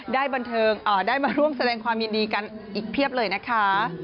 ได้มาร่วมแสดงความยินดีกันอีกเพียบเลยนะคะ